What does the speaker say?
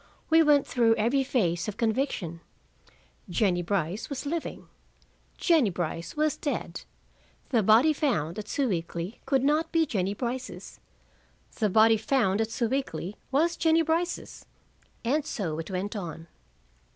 We went through every phase of conviction: Jennie Brice was living. Jennie Brice was dead. The body found at Sewickley could not be Jennie Brice's. The body found at Sewickley was Jennie Brice's. And so it went on.